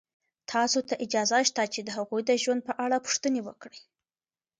تاسو ته اجازه شته چې د هغوی د ژوند په اړه پوښتنې وکړئ.